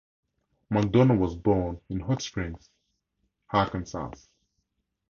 McDonald was born in Hot Springs, Arkansas.